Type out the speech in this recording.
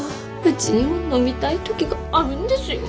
うちにも飲みたい時があるんですよ。